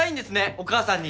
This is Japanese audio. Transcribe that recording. お母さんに！